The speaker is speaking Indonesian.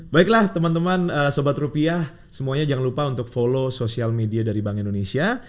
baiklah teman teman sobat rupiah semuanya jangan lupa untuk follow sosial media dari bank indonesia